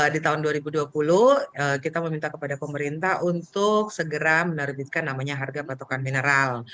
di tahun dua ribu dua puluh kita meminta kepada pemerintah untuk segera menerbitkan namanya harga patokan mineral